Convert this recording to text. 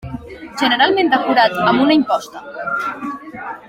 Generalment decorat amb una imposta.